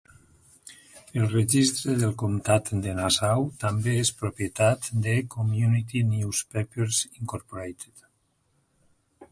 El registre del comtat de Nassau també és propietat de Community Newspapers Incorporated.